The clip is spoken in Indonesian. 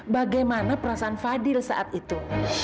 bagaimana perasaan fadil saat itu